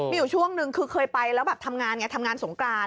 มีอยู่ช่วงหนึ่งก็เคยไปแล้วแบบทำงานกังเสี่ยงสงกราน